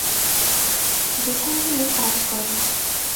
যেখানে তিনি কাজ করেন।